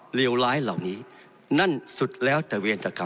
เลวร้ายเหล่านี้นั่นสุดแล้วแต่เวรตกรรม